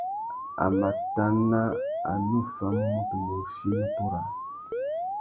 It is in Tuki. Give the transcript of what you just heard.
A mà tana a nu famú mutu môchï nutu râā.